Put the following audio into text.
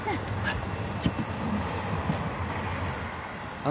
あっ